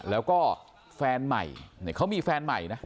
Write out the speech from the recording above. แล้วก็แฟนใหม่เนี่ยเขามีแฟนใหม่นะ